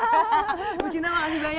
ibu cinta makasih banyak